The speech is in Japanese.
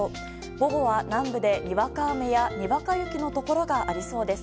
午後は、南部でにわか雨やにわか雪のところがありそうです。